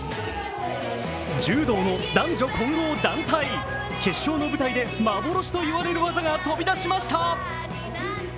柔道の男女混合団体、決勝の舞台で幻と言われる技が飛び出しました。